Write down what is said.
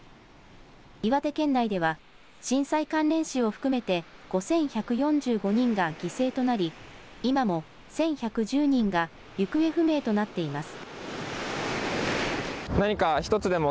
岩手県内では震災関連死を含めて５１４５人が犠牲となり今も１１１０人が行方不明となっています。